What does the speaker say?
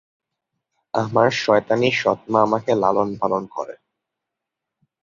আমার শয়তানী সৎ মা আমাকে লালনপালন করে।